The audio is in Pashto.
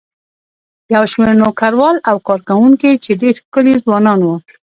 یو شمېر نوکران او کارکوونکي چې ډېر ښکلي ځوانان وو.